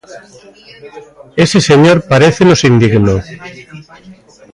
Ese señor parécenos indigno.